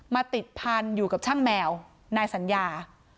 ติดพันธุ์อยู่กับช่างแมวนายสัญญา